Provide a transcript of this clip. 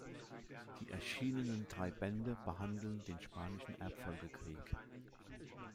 Die erschienenen drei Bände behandeln den Spanischen Erbfolgekrieg.